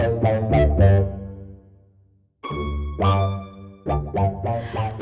saya tidak berani mengambil resiko